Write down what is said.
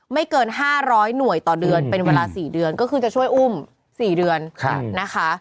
เกิน๕๐๐หน่วยต่อเดือนเป็นเวลา๔เดือนก็คือจะช่วยอุ้ม๔เดือนนะคะ